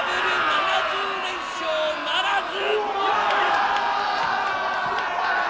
７０連勝ならず！